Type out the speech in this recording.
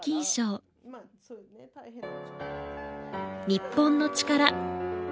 『日本のチカラ』。